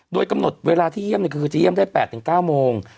โดยกำหนดเวลาที่เยี่ยมคือจะเยี่ยมได้๘๙โมง